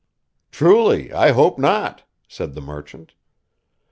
'Truly, I hope not,' said the merchant.